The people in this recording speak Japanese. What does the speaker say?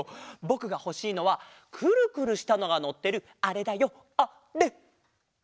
ぼくがほしいのはくるくるしたのがのってるあれだよあれ！